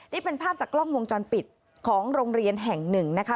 นี่เป็นภาพจากกล้องวงจรปิดของโรงเรียนแห่งหนึ่งนะคะ